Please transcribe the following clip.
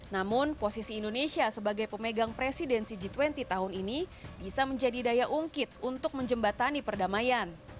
namun posisi indonesia sebagai pemegang presidensi g dua puluh tahun ini bisa menjadi daya ungkit untuk menjembatani perdamaian